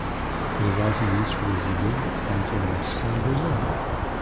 It is also used for the Zeebo console in Mexico and Brazil.